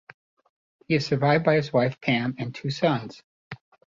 He is survived by his wife, Pam, and two sons.